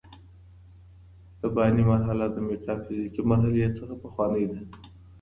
رباني مرحله د ميتا فزيکي مرحلې څخه پخوانۍ ده.